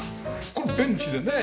これベンチでね